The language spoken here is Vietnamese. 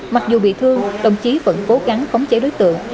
mặc dù bị thương đồng chí vẫn cố gắng khống chế đối tượng